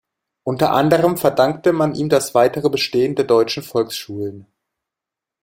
Unter anderem verdankte man ihm das weitere Bestehen der deutschen Volksschulen.